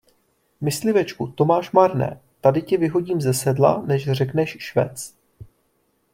Myslivečku, to máš marné: tady tě vyhodím ze sedla, než řekneš švec.